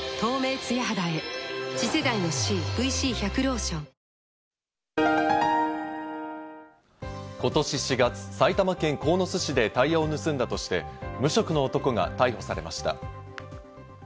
水層パックＵＶ「ビオレＵＶ」ことし４月、埼玉県鴻巣市でタイヤを盗んだとして無職の男が逮捕されました。